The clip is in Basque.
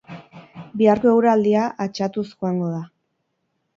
Biharko eguraldia atxatuz joango da.